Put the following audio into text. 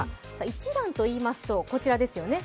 一蘭といいますと、こちらですよね